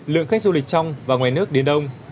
lượng khách du lịch trong và ngoài nước đến đông